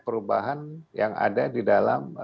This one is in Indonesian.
perubahan yang ada di dalam